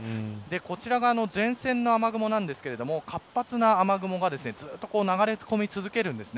こちらが前線の雨雲ですが活発な雨雲がずっと流れ込み続けるんです。